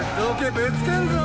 ぶつけんぞ！